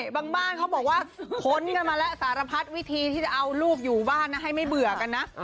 บางบ้านเขาบอกว่าสารพัดวิธีที่จะเอาลูกอยู่บ้านให้ไม่เบื่อกันนะ